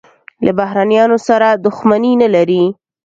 له بهرنیانو سره دښمني نه لري.